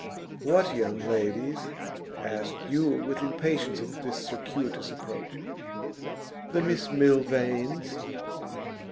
'What young ladies?' asked Yule, with impatience of this circuitous approach. 'The Miss Milvains.